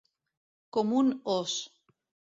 Com un ós.